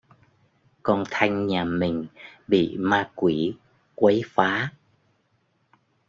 con thanh nhà mình bị ma quỷ Quấy phá